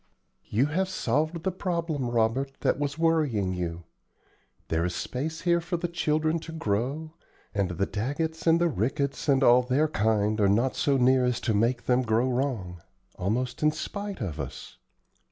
"You have solved the problem, Robert, that was worrying you. There is space here for the children to grow, and the Daggetts and the Ricketts and all their kind are not so near as to make them grow wrong, almost in spite of us.